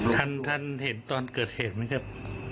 ท่านเห็นตอนเกิดเหตุไหมครับ